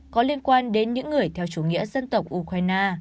có liên quan đến những người theo chủ nghĩa dân tộc ukraine